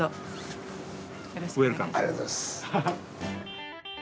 ありがとうございます。